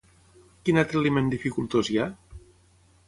Quin altre element dificultós hi ha?